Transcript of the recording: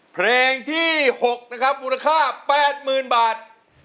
เพลงที่๖นะครับมูลค่า๘๐๐๐บาท